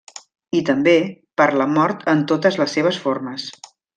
I, també, per la mort en totes les seves formes.